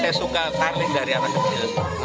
saya suka paling dari anaknya